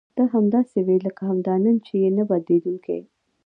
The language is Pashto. ته همداسې وې لکه همدا نن چې یې نه بدلېدونکې.